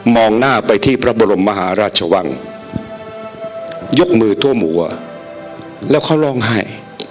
หน้าไปที่พระบรมมหาราชวังยกมือทั่วหัวแล้วเขาร้องไห้